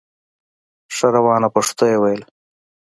ښه روانه پښتو یې ویله